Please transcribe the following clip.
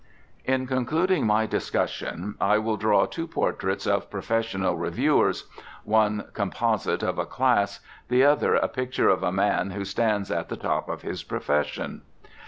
In concluding my discussion I will draw two portraits of professional reviewers, one composite of a class, the other a picture of a man who stands at the top of his profession.